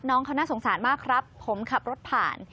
น้องเขาน่าสงสารมากครับผมขับรถผ่าน